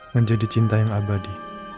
menjadi cinta yang abadi